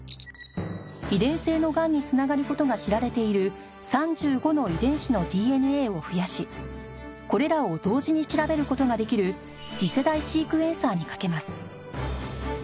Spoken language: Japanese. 遺伝性のがんに繋がる事が知られている３５の遺伝子の ＤＮＡ を増やしこれらを同時に調べる事ができる次世代シークエンサーにかけます